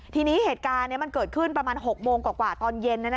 ทีนี้เหตุการณ์มันเกิดขึ้นประมาณ๖โมงกว่าตอนเย็น